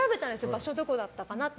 場所、どこだったかなって。